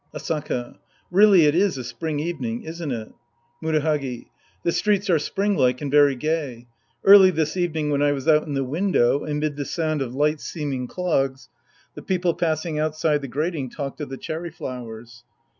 Asaka. Really it is a spring evening, isn't it ? Murahagi. The streets are springlike and very gay. Early this evening when I was out in the window, amid the sound of light seeming clogs, the people passing outside the grating talked of the cherry flowers.